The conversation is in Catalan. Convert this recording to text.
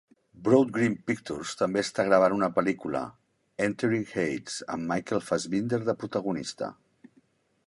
Broad Green Pictures també està gravant una pel·lícula, "Entering Hades", amb Michael Fassbender de protagonista.